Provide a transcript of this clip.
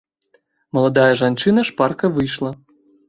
Маладая жанчына шпарка выйшла.